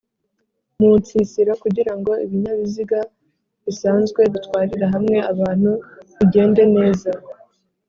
Mu nsisiro kugirango ibinyabiziga bisanzwe bitwarira hamwe abantu bigende neza